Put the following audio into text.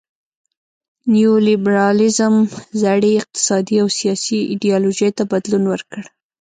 نیو لیبرالیزم زړې اقتصادي او سیاسي ایډیالوژۍ ته بدلون ورکړ.